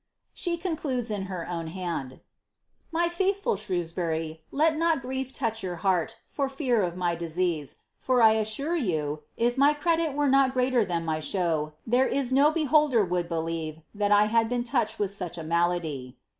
*' Deludes, in her own hand — ihful Shrewsbury, let not grief touch your heart for fear of my disease^ I you, if my credit were not greater than my show, there is no briioldeff iere that 1 had been touched with such a malady.